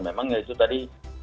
memang ya itu tadi